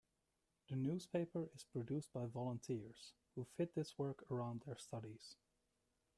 The newspaper is produced by volunteers, who fit this work around their studies.